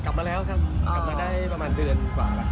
กลับมาแล้วครับกลับมาได้ประมาณเดือนกว่าแล้ว